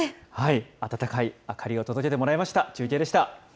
温かい明かりを届けてもらいました、中継でした。